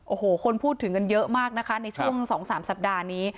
โอ้โหคนพูดถึงกันเยอะมากนะคะในช่วง๒๓สัปดาห์นี้